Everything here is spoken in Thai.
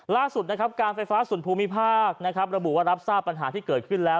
ล่าสุดนะครับการไฟฟ้าส่วนภูมิภาคนะครับระบุว่ารับทราบปัญหาที่เกิดขึ้นแล้ว